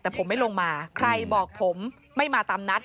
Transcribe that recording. แต่ผมไม่ลงมาใครบอกผมไม่มาตามนัด